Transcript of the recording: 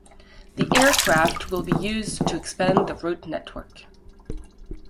The aircraft will be used to expand the route network.